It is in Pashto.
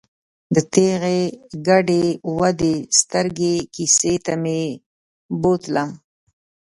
د ټېغې ګډې ودې سترګې کیسې ته مې بوتلم.